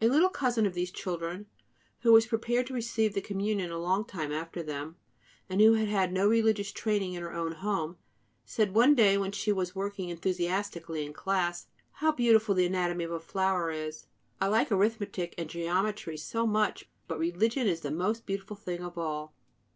A little cousin of these children, who was prepared to receive the Communion a long time after them, and who had had no religious training in her own home, said one day, when she was working enthusiastically in class: "How beautiful the anatomy of a flower is! I like arithmetic and geometry so much! But religion is the most beautiful thing of all."